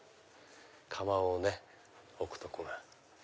釜をね置くとこが。